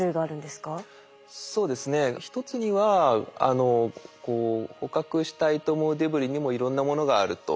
そうですね１つには捕獲したいと思うデブリにもいろんなものがあると。